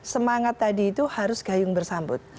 semangat tadi itu harus gayung bersambut